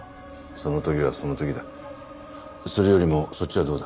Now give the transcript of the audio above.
その時はその時だそれよりもそっちはどうだ？